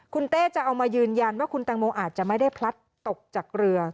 คุณเต้จะเอามายืนยันว่าคุณตังโมอาจจะไม่ได้พลัดตกจากเรือ